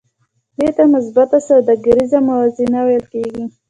دې ته مثبته سوداګریزه موازنه ویل کېږي